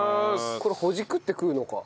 これほじくって食うのか。